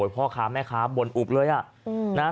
พ่อค้าแม่ค้าบ่นอุบเลย